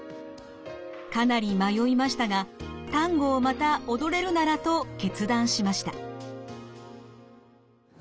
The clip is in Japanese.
かなり迷いましたがタンゴをまた踊れるならと決断しました。